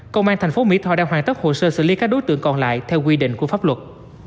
công an thành phố mỹ tho đang hoàn tất hồ sơ xử lý các đối tượng còn lại theo quy định của pháp luật